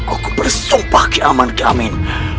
aku bersumpah kiaman kiamin